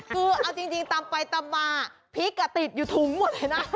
คือเอาจริงตำไปตำมาพริกติดอยู่ถุงหมดเลยนะ